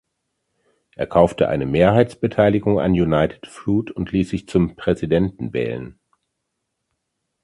Er kaufte eine Mehrheitsbeteiligung an United Fruit und ließ sich zum Präsidenten wählen.